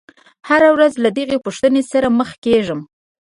هره ورځ له دغې پوښتنې سره مخ کېږم.